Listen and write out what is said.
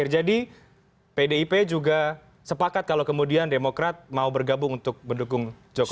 jadi pdip juga sepakat kalau kemudian demokrat mau bergabung untuk mendukung joko widodo